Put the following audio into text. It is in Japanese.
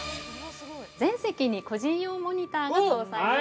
◆全席に個人用モニターが搭載されている。